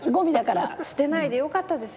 捨てないでよかったですね。